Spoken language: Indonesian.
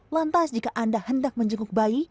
lantas jika anda hendak menjenguk bayi